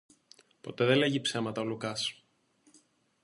Ποτέ δε λέγει ψέματα ο Λουκάς!